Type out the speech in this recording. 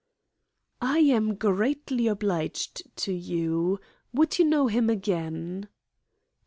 "I am greatly obliged to you. Would you know him again?"